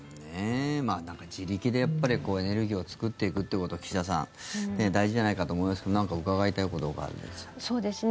なんか自力でエネルギーを作っていくってことは岸田さん大事じゃないかと思いますけど何か伺いたいことがあるんでしたっけ。